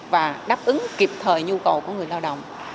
và đáp ứng kịp thời nhu cầu của người lao động